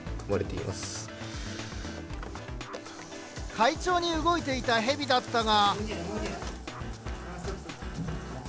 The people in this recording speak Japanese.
快調に動いていたヘビだったが。